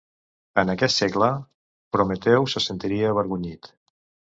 En aquest segle Prometeu se sentiria avergonyit.